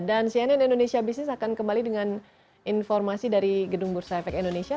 dan cnn indonesia business akan kembali dengan informasi dari gedung bursa efek indonesia